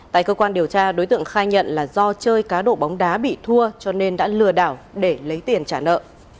tại cơ quan điều tra đối tượng khai nhận là do chơi cá độ bóng đá bị thua cho nên đã lừa đảo để lấy tiền trả nợ